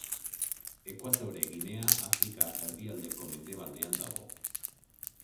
Ekuatore Ginea Afrika erdialdeko mendebaldean dago.